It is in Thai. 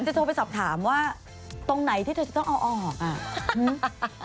โทรไปสอบถามว่าตรงไหนที่เธอจะต้องเอาออกอ่ะ